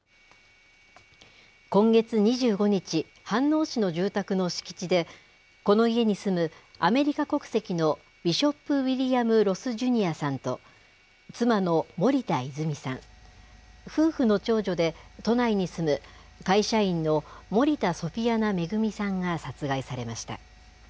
今月２５日、飯能市の住宅の敷地で、この家に住むアメリカ国籍のビショップ・ウィリアム・ロス・ジュニアさんと、妻の森田泉さん、夫婦の長女で、都内に住む会社員の森田ソフィアナ恵さんが殺害されました。